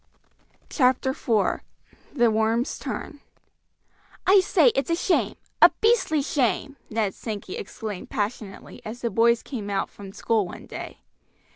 CHAPTER IV: THE WORMS TURN "I say, it's a shame, a beastly shame!" Ned Sankey exclaimed passionately as the boys came out from school one day.